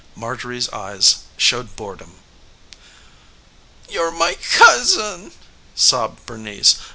Marjorie's eyes showed boredom. "You're my cousin," sobbed Bernice.